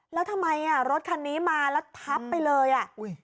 แล้วทำไมอ่ะรถคันนี้มาแล้วทับไปเลยอ่ะ